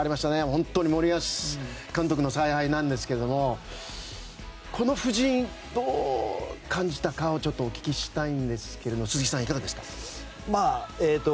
本当に森保監督の采配ですがこの布陣、どう感じたかお聞きしたいんですが鈴木さん、いかがですか。